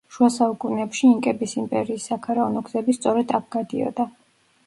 შუა საუკუნეებში ინკების იმპერიის საქარავნო გზები სწორედ აქ გადიოდა.